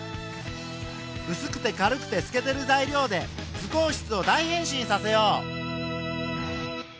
うすくて軽くてすけてる材料で図工室を大変身させよう。